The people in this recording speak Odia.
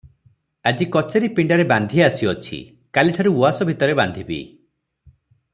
ଆଜି କଚେରୀ ପିଣ୍ତାରେ ବାନ୍ଧି ଆସିଅଛି, କାଲିଠାରୁ ଉଆସ ଭିତରେ ବାନ୍ଧିବି ।